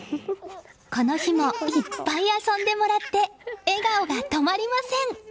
この日もいっぱい遊んでもらって笑顔が止まりません！